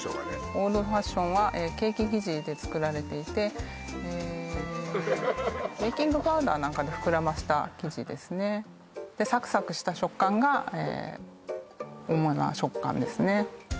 オールドファッションはケーキ生地で作られていてえっベーキングパウダーなんかで膨らました生地ですねでサクサクした食感が主な食感ですね